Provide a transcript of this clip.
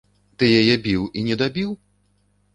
Ты яе біў і недабіў?